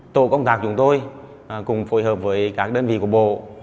tổ công tác chúng tôi cùng phối hợp với các đơn vị của bộ